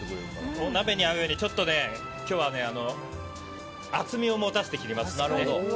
お鍋に合うように、今日は厚みを持たせて切ります。